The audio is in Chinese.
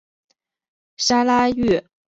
砂拉越拥有热带雨林气候。